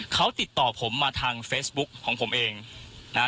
เขาติดต่อผมมาทางเฟซบุ๊กของผมเองนะฮะ